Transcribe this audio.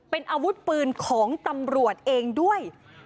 เป็นอาวุธปืนของตำรวจเองด้วย